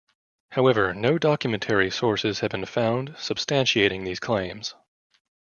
However, no documentary sources have been found substantiating these claims.